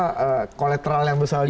modal apa kolateral yang besar juga